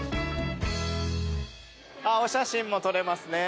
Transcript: お写真も撮れますね。